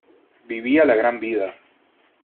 Vivía la gran vida